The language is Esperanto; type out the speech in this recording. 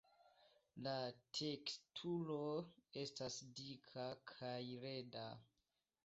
La teksturo estas dika kaj leda.